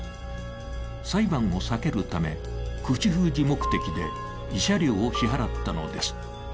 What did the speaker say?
裁判を避けるため、口封じ目的で慰謝料を支払ったのです。